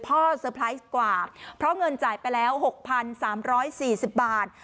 เซอร์ไพรส์กว่าเพราะเงินจ่ายไปแล้ว๖๓๔๐บาท